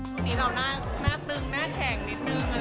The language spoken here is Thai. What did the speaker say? ช่วงนี้เราหน้าตึงหน้าแข็งนิดนึง